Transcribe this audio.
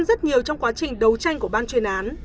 rất nhiều trong quá trình đấu tranh của ban chuyên án